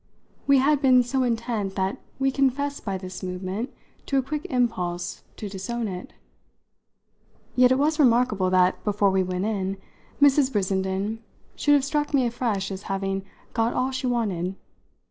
We had been so intent that we confessed by this movement to a quick impulse to disown it. Yet it was remarkable that, before we went in, Mrs. Brissenden should have struck me afresh as having got all she wanted.